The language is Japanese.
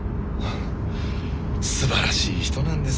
すばらしい人なんですよ。